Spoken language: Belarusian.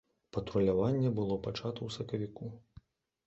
Патруляванне было пачата ў сакавіку.